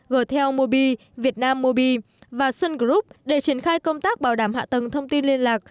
gtelmobi vietnammobi và sun group để triển khai công tác bảo đảm hạ tầng thông tin liên lạc